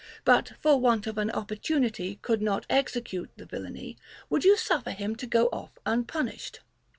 141 but for want of an opportunity could not execute the vil lany, would you suffer him to go off unpunished'?